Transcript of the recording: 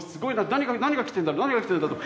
何が何が来てんだ何が来てるんだろうと。